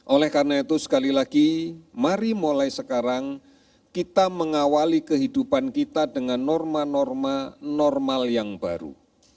oleh karena itu sekali lagi mari mulai sekarang kita mengawali kehidupan kita dengan norma norma normal yang baru